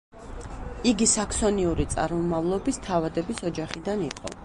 იგი საქსონიური წარმომავლობის თავადების ოჯახიდან იყო.